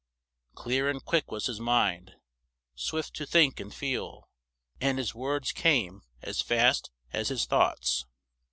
Clear and quick was his mind, swift to think and feel; and his words came as fast as his thoughts.